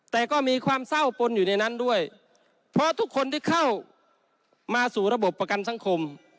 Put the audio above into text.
แต่ก็มีความเศร้าปนอยู่ในนั้นด้วยเพราะทุกคนที่เข้ามาสู่ระบบประกันสังคม